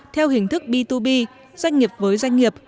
theo hình thức b hai b doanh nghiệp với doanh nghiệp